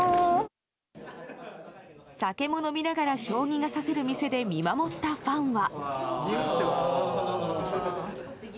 酒を飲みながら将棋が指せる店で見守ったファンは。